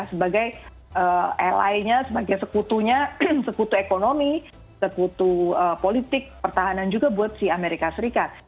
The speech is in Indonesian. sebagai lai nya sebagai sekutunya sekutu ekonomi sekutu politik pertahanan juga buat si amerika serikat